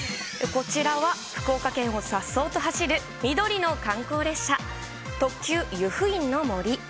こちらは、福岡県をさっそうと走る緑の観光列車、特急ゆふいんの森。